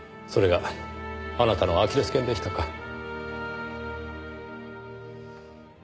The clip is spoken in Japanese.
それがあなたのアキレス腱でしたか。